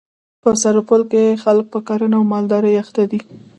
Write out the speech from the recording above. په سرپل کي خلک په کرهڼه او مالدري اخته دي.